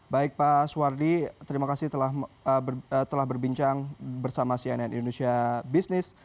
baik pak suwardi terima kasih telah berbincang bersama cnn indonesia business